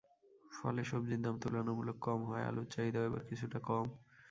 ফলে সবজির দাম তুলনামূলক কম হওয়ায় আলুর চাহিদাও এবার কিছুটা কম।